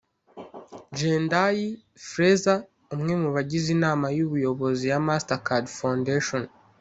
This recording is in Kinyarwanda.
Jendayi Frezer umwe mu bagize inama y’ubuyobozi ya MasterCard Foundation